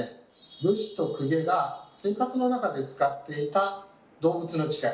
武士と公家が生活の中で使っていた動物の違い。